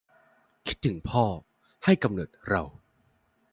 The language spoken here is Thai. คิดถึงพ่อ ให้กำเนิดเรา